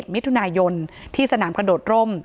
มิถุนายนที่สนามกระโดดร่ม